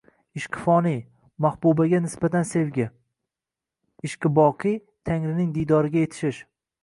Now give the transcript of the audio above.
“Ishqi foniy”- mahbubaga nisbatan sevgi. “Ishqi boqiy” –Tangrining diydoriga yetish...